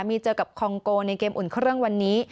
มีเจอกับคองโกในเกมอุ่นเครื่องวันนี้